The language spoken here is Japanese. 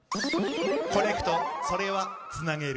コネクト、それはつなげる。